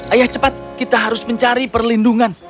ayah cepat kita harus mencari perlindungan